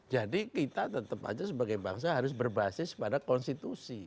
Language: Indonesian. jadi kita tetap aja sebagai bangsa harus berbasis pada konstitusi